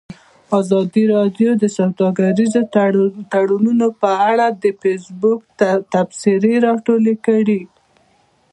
ازادي راډیو د سوداګریز تړونونه په اړه د فیسبوک تبصرې راټولې کړي.